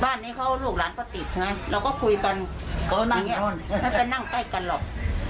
บ้านนี้เขาลูกหลานเขาติดใช่ไหมเราก็คุยกันไม่ได้นั่งใกล้กันหรอก